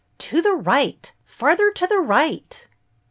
To the right! Farther to the right!"